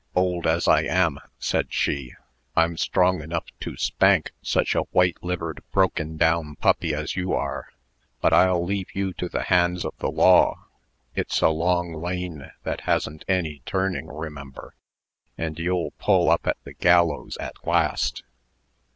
"Old as I am," said she, "I'm strong enough to spank such a white livered, broken down puppy as you are. But I'll leave you to the hands of the law. It's a long lane that hasn't any turning, remember; and you'll pull up at the gallows at last.